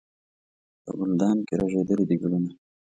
په ګلدان کې رژېدلي دي ګلونه